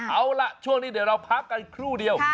เอาล่ะช่วงนี้เดี๋ยวเราพักกันครู่เดียว